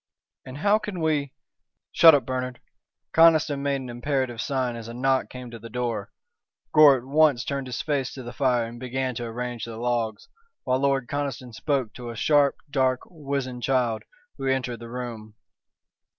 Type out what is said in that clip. "And how can we " "Shut up, Bernard!" Conniston made an imperative sign as a knock came to the door. Gore at once turned his face to the fire and began to arrange the logs, while Lord Conniston spoke to a sharp, dark, wizen child who entered the room.